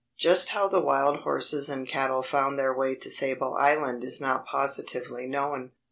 Just how the wild horses and cattle found their way to Sable Island is not positively known.